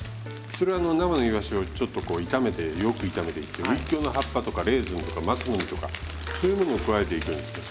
それは生のイワシをちょっとこう炒めてよく炒めてウイキョウの葉っぱとかレーズンとか松の実とかそういうものを加えていくんですよ。